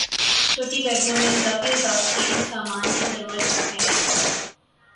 چھوٹی ویگنوں میں اضافی حفاظتی سامان کی ضرورت چاہتے ہیں